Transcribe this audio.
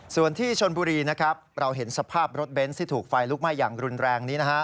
ส่วนที่ชนบุรีนะครับเราเห็นสภาพรถเบนส์ที่ถูกไฟลุกไหม้อย่างรุนแรงนี้นะฮะ